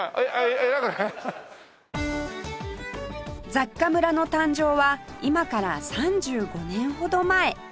雑貨村の誕生は今から３５年ほど前